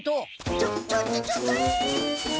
ちょっちょっとちょっとええ！